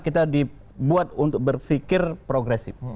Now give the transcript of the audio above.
kita dibuat untuk berpikir progresif